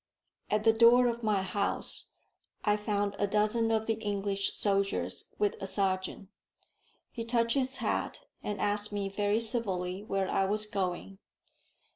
At the door of my house I found a dozen of the English soldiers with a sergeant. He touched his hat, and asked me very civilly where I was going.